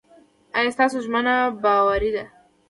ایا ستاسو ژمنه باوري ده؟